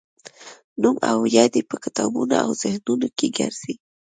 نوم او یاد یې په کتابونو او ذهنونو کې ګرځي.